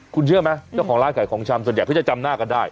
คุณเชื่อไหมเจ้าของร้านขายของชำส่วนใหญ่เขาจะจำหน้ากันได้